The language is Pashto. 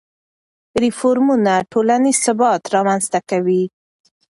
ریفورمونه ټولنیز ثبات رامنځته کوي.